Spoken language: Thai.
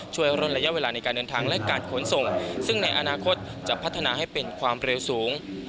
ร่นระยะเวลาในการเดินทางและการขนส่งซึ่งในอนาคตจะพัฒนาให้เป็นความเร็วสูง